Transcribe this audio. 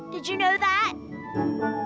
kamu tau itu